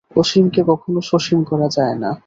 অসীমকে কখনও সসীম করা যায় না।